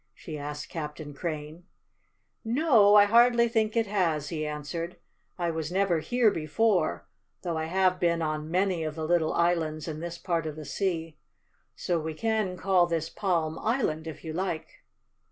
she asked Captain Crane. "No, I hardly think it has," he answered. "I was never here before, though I have been on many of the little islands in this part of the sea. So we can call this Palm Island, if you like."